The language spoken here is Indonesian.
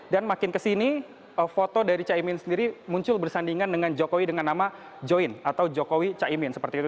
dan makin kesini foto dari caimin sendiri muncul bersandingan dengan jokowi dengan nama join atau jokowi caimin seperti itu